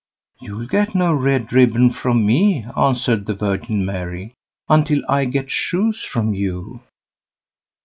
"You'll get no red ribbon from me", answered the Virgin Mary, "until I get shoes from you."